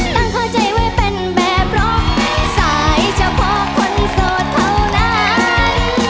เข้าใจไว้เป็นแบบเพราะสายเฉพาะคนโสดเท่านั้น